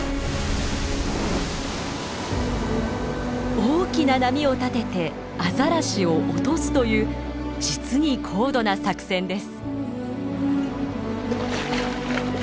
大きな波を立ててアザラシを落とすという実に高度な作戦です。